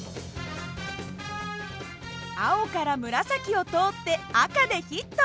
青から紫を通って赤でヒット！